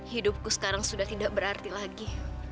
hidupku sekarang sudah tidak berarti lagi